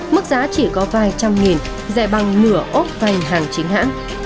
mức giá chỉ có vài trăm nghìn dạy bằng nửa ốp phanh hàng chính hãng